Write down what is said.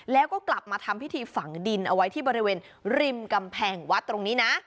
แล้วก็กลับมาทำพิธีฝังดินเอาไว้ที่บริเวณริมกำแพงวัดตรงนี้นะ